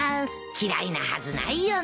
嫌いなはずないよな。